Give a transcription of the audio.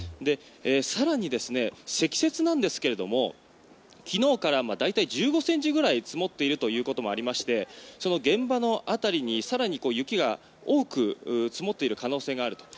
更に、積雪なんですが昨日から大体１５ｃｍぐらい積もっているということもありまして現場の辺りに更に雪が多く積もっている可能性があると。